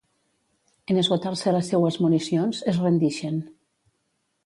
En esgotar-se les seues municions, es rendixen.